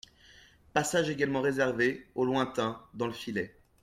Passage également réservé, au lointain, dans le filet.